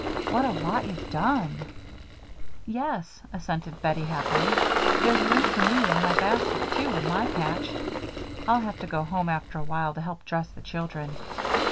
What a lot you've done!" "Yes," assented Bettie, happily. "There's room for me and my basket, too, in my patch. I'll have to go home after a while to help dress the children."